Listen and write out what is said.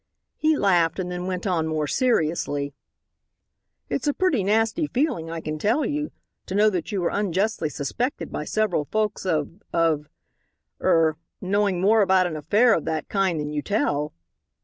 He laughed and then went on more seriously: "It's a pretty nasty feeling, I can tell you, to know that you are unjustly suspected by several folks of of er knowing more about an affair of that kind than you tell."